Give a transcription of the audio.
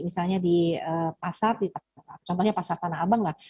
misalnya di pasar contohnya pasar tanah abang lah